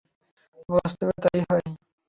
বাস্তবেও তাই হয়।